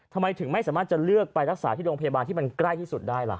ทำไมถึงไม่สามารถจะเลือกไปรักษาที่โรงพยาบาลที่มันใกล้ที่สุดได้ล่ะ